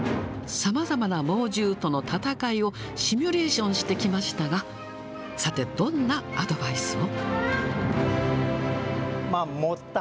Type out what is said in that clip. さまざまな猛獣との闘いをシミュレーションしてきましたが、さて、どんなアドバイスを？